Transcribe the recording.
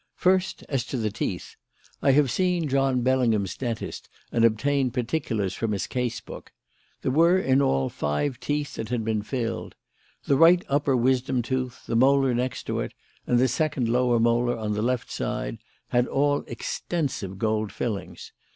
First, as to the teeth. I have seen John Bellingham's dentist and obtained particulars from his case book. There were in all five teeth that had been filled. The right upper wisdom tooth, the molar next to it, and the second lower molar on the left side, had all extensive gold fillings.